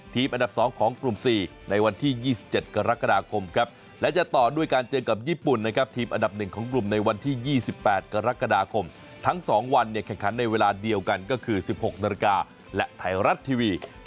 ทุนาเมนต์นี้ก็คณิตาก็คงไม่ได้เล่นแล้ว